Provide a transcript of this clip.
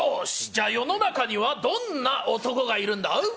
世の中にはどんな男がいるんだ？